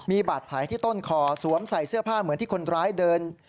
มีบาดแผลที่ต้นคอสวมใส่เสื้อผ้าเหมือนที่คนร้ายเดิน